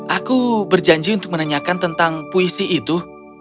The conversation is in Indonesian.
aku berjanji untuk menanyakan tentang puisi itu